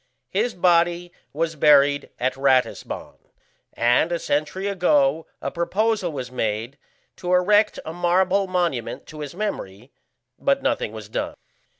His body was buried at Ratisbon, and a century ago a proposal was made to erect a marble monument to his memory, but nothing was done.